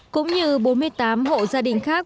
cũng như bốn mươi tám hộ gia đình khác